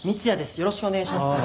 よろしくお願いします。